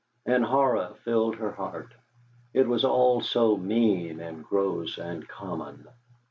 And horror filled her heart. It was all so mean, and gross, and common.